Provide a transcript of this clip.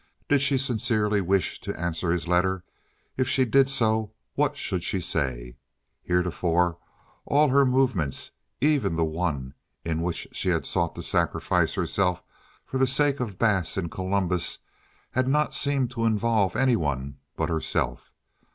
Did she sincerely wish to answer his letter? If she did so, what should she say? Heretofore all her movements, even the one in which she had sought to sacrifice herself for the sake of Bass in Columbus, had not seemed to involve any one but herself.